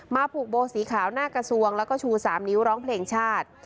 ผูกโบสีขาวหน้ากระทรวงแล้วก็ชู๓นิ้วร้องเพลงชาติ